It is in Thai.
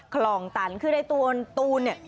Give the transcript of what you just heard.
คลองตันก็คือในตูน